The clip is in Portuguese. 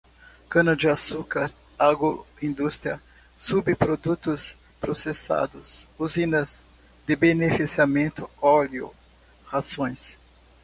cana-de-açúcar, agroindústria, subprodutos, processados, usinas de beneficiamento, óleo, rações